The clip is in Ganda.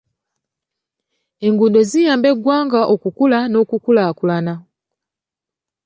Enguuddo ziyamba eggwanga okukula n'okukulaakulana.